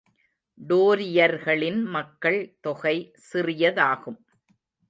டோரியர்களின் மக்கள் தொகை சிறியதாகும்.